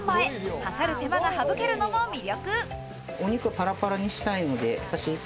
計る手間が省けるのも魅力。